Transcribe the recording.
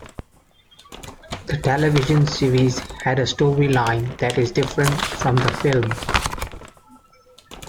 The television series had a storyline that is different from the film.